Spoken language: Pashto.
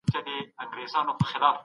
که مطالعه ونه کړو، نو پرمختګ نسو کولای.